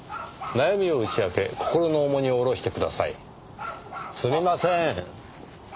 「悩みを打ち明け心の重荷を下ろしてください」すみません。